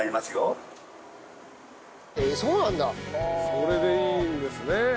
それでいいんですね。